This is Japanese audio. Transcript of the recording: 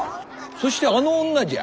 そしてあの女じゃ。